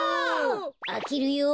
あけるよ。